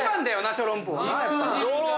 小籠包は。